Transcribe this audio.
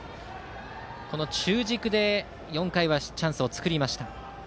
その中軸で４回はチャンスを作りました。